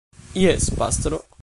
Jes, pastro.